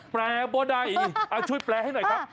แปลว่าใดช่วยแปลให้หน่อยครับ